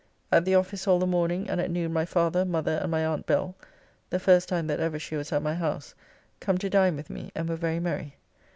At the office all the morning, and at noon my father, mother, and my aunt Bell (the first time that ever she was at my house) come to dine with me, and were very merry.